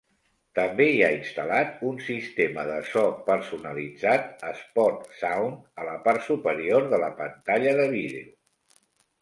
També hi ha instal·lat un sistema de so personalitzat Sportsound a la part superior de la pantalla de vídeo.